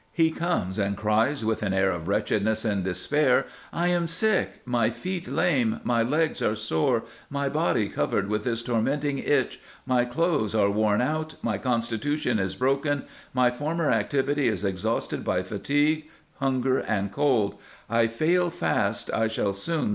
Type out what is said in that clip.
He comes, and crys with an air of wretchedness & dispair — I am Sick — my feet lame — my legs are sore — my body cover'd with this tormenting Itch — my cloaths are worn out — my Constitution is broken — my former Activity is exhausted by fatigue — hunger & Cold — I fail fast I shall soon be no more